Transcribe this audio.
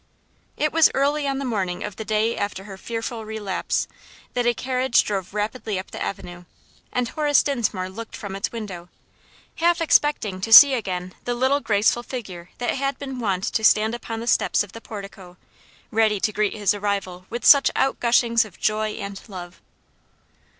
It was early on the morning of the day after her fearful relapse, that a carriage drove rapidly up the avenue, and Horace Dinsmore looked from its window, half expecting to see again the little graceful figure that had been wont to stand upon the steps of the portico, ready to greet his arrival with such outgushings of joy and love.